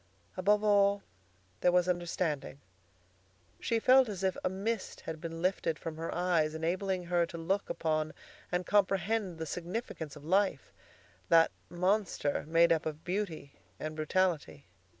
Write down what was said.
Above all, there was understanding. She felt as if a mist had been lifted from her eyes, enabling her to look upon and comprehend the significance of life, that monster made up of beauty and brutality.